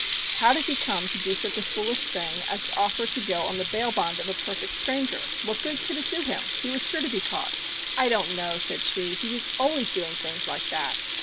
"How did he come to do such a foolish thing as to offer to go on the bail bond of a perfect stranger? What good could it do him? He was sure to be caught." "I don't know," said she. "He was always doing things like that.